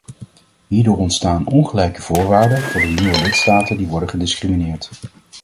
Hierdoor ontstaan ongelijke voorwaarden voor de nieuwe lidstaten, die worden gediscrimineerd.